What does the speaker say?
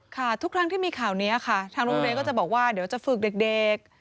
ทุกครั้งที่มีข่าวนี้ค่ะทางโรงเรียนก็จะบอกว่าเดี๋ยวจะฝึกเด็ก